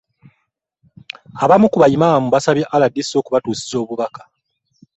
Abamu ku ba Imaam baasabye RDC okubatuusiza obubaka